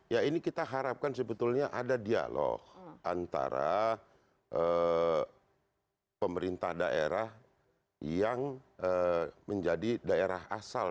ya ini kita harapkan sebetulnya ada dialog antara pemerintah daerah yang menjadi daerah asal